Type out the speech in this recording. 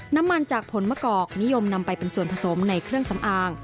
น้ำมันจากผลมะกอกนิยมนำไปเป็นส่วนผสมในเครื่องสำอาง